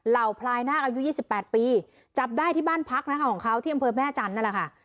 เหล่าพลายนาคอายุ๒๘ปีจับได้ที่บ้านพักของเขาที่อำเภอแม่จันทร์